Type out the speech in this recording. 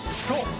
そう！